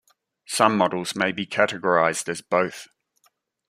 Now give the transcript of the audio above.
Some models may be categorized as both.